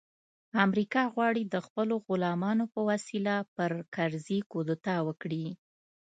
امریکا غواړي د خپلو غلامانو په وسیله پر کرزي کودتا وکړي